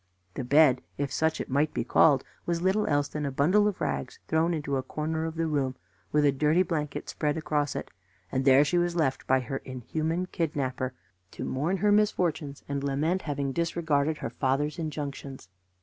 The bed, if such it might be called, was little else than a bundle of rags thrown into a corner of the room, with a dirty blanket spread across it; and there she was left by her inhuman kidnapper to mourn her misfortunes and lament having disregarded her fathers' injunctions.